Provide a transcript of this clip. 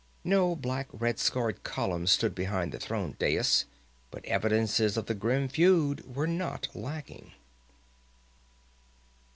No black, red scarred column stood behind the throne dais, but evidences of the grim feud were not lacking.